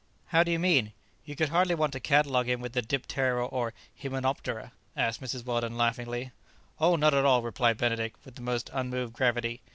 "How do you mean? You could hardly want to catalogue him with the diptera or hymenoptera?" asked Mrs Weldon laughingly. "Oh, not at all," replied Benedict, with the most unmoved gravity.